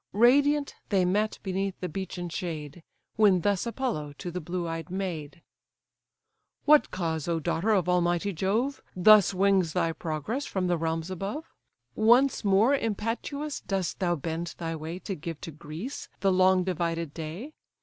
Radiant they met, beneath the beechen shade; When thus Apollo to the blue eyed maid: "What cause, O daughter of Almighty Jove! Thus wings thy progress from the realms above? Once more impetuous dost thou bend thy way, To give to Greece the long divided day?